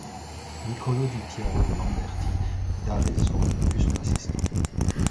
Nicolo di Piero de Lamberti d'Arezzo fut son assistant.